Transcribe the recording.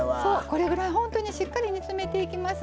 これぐらい本当にしっかり煮詰めていきます。